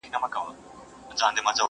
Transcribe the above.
چي هر ځای به څو مرغان سره جرګه سوه!